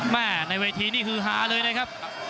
แม่ในวัยทีนี่คือหาเลยนะครับ